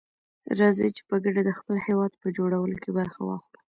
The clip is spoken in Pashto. راځي چي په ګډه دخپل هيواد په جوړولو کي برخه واخلو.